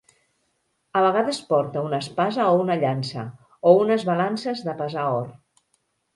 A vegades porta una espasa o una llança, o unes balances de pesar or.